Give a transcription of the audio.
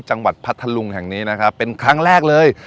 พัทธลุงแห่งนี้นะครับเป็นครั้งแรกเลย